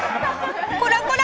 コラコラ！